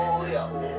mama mau kekainan